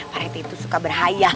pak rete itu suka berhayang